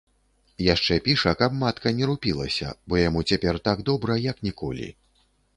Яшчэ піша, каб матка не рупілася, бо яму цяпер так добра як ніколі.